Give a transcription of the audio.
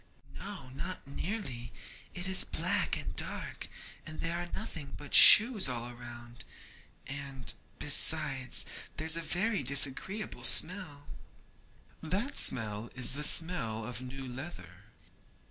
'No, not nearly; it is black and dark, and there are nothing but shoes all round, and, besides, there's a very disagreeable smell.' 'That smell is the smell of new leather.'